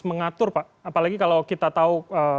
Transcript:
mengatur pak apalagi kalau kita tahu